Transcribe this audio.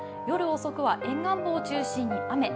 夜遅くは沿岸部を中心に雨。